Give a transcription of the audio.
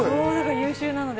優秀なので。